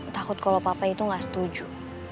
takut kalo papa itu gak setuju